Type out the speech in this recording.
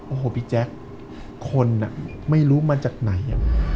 โอ้โหพี่แจ๊คคนไม่รู้มาจากไหน